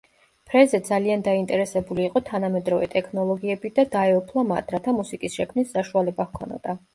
ფრეზე ძალიან დაინტერესებული იყო თანამედროვე ტექნოლოგიებით და დაეუფლა მათ, რათა მუსიკის შექმნის საშუალება ჰქონოდა.